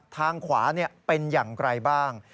ทางขวาเป็นยังไกลบ้าง